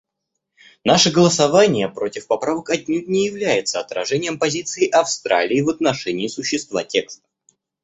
Наше голосование против поправок отнюдь не является отражением позиции Австралии в отношении существа текста.